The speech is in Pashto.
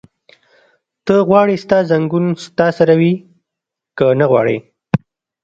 ته غواړې ستا ځنګون ستا سره وي؟ که نه غواړې؟